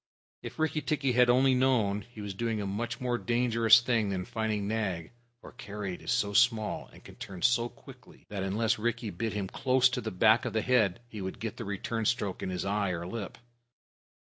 If Rikki tikki had only known, he was doing a much more dangerous thing than fighting Nag, for Karait is so small, and can turn so quickly, that unless Rikki bit him close to the back of the head, he would get the return stroke in his eye or his lip.